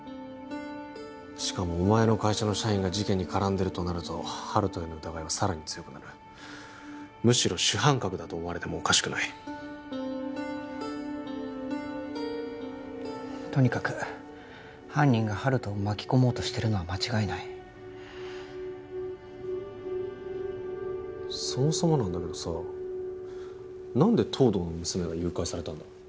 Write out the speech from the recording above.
しかもお前の会社の社員が事件に絡んでるとなると温人への疑いはさらに強くなるむしろ主犯格だと思われてもおかしくないとにかく犯人が温人を巻き込もうとしてるのは間違いないそもそもなんだけどさ何で東堂の娘が誘拐されたんだ？